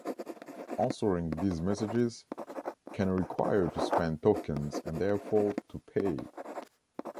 Answering these messages can require to spend tokens, and therefore to pay.